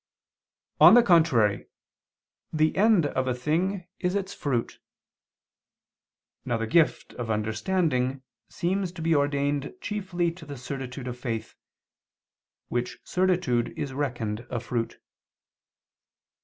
On the contrary, The end of a thing is its fruit. Now the gift of understanding seems to be ordained chiefly to the certitude of faith, which certitude is reckoned a fruit.